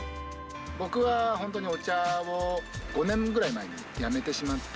僕は本当にお茶を５年ぐらい前にやめてしまって。